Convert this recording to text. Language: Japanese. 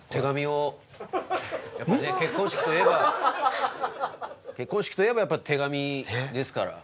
やっぱりね結婚式といえば結婚式といえばやっぱ手紙ですから。